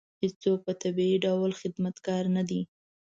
هېڅوک په طبیعي ډول خدمتګار نه دی.